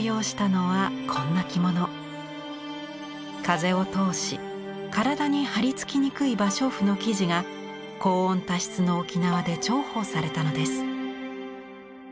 風を通し体に貼りつきにくい芭蕉布の生地が高温多湿の沖縄で重宝されたのです。